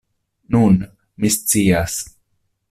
Nun, mi scias.